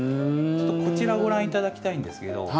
ちょっとこちらをご覧頂きたいんですけど。